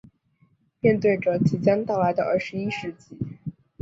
面对着即将到来的二十一世纪